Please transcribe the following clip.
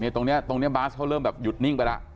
ตรงนี้บาสเขาเริ่มแบบหยุดนิ่งไปแล้ว